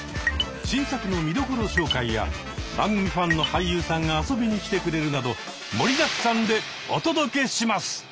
新作の見どころ紹介や番組ファンの俳優さんが遊びに来てくれるなど盛りだくさんでお届けします！